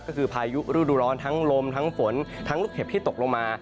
ก็คือพายุฤดูร้อนทั้งลมทั้งฝนทั้งลูกเห็บที่ตกลงมา